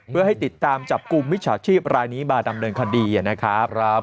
เพื่อให้ติดตามจับกลุ่มมิจฉาชีพรายนี้มาดำเนินคดีนะครับ